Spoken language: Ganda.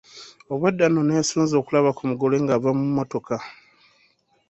Obwedda nno neesunze okulaba ku mugole ng'ava mu mmotoka.